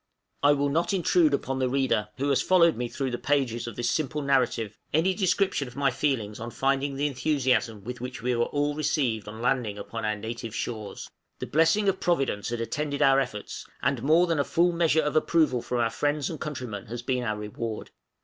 I will not intrude upon the reader, who has followed me through the pages of this simple narrative, any description of my feelings on finding the enthusiasm with which we were all received on landing upon our native shores. The blessing of Providence had attended our efforts, and more than a full measure of approval from our friends and countrymen has been our reward.